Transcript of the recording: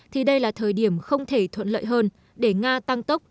thì đây là thời điểm không thể thuận lợi hơn để nga tăng tốc